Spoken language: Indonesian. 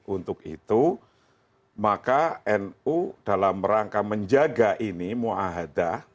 untuk itu maka nu dalam rangka menjaga ini mu'ahadah